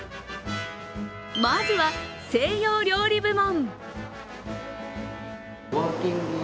まずは西洋料理部門。